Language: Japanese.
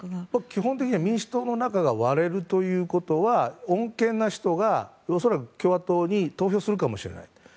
基本的には民主党の中が割れるということは穏健な人が恐らく共和党に投票するかもしれない。